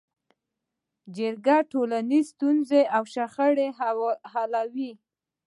جرګه ټولنیزې ستونزې او شخړې حلوي